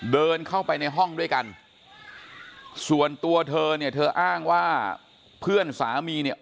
เดินเข้าไปในห้องด้วยกันส่วนตัวเธอเนี่ยเธออ้างว่าเพื่อนสามีเนี่ย